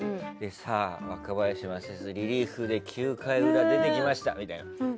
さあ、若林選手リリーフで９回裏出てきましたみたいな。